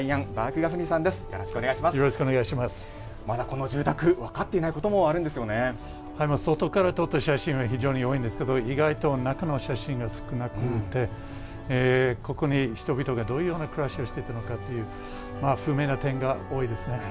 外から撮った写真は非常に多いんですが意外と、中の写真が少なくてここに人々がどういう暮らしをしていたのかという不明な点が多いです。